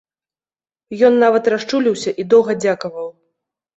Ён нават расчуліўся і доўга дзякаваў.